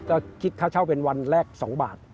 ก็คิดค่าเช่าเป็นวันแรก๒บาท